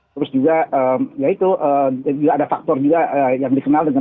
terus juga ya itu ada faktor juga yang disenangkan